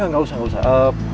gak usah gak usah